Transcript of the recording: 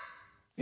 え？